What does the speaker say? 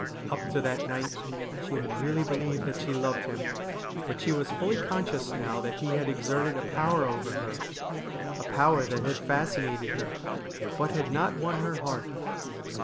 Up to that night she had really believed that she loved him, but she was fully conscious now that he had exerted a power over her — a power that had fascinated her — but had not won her heart.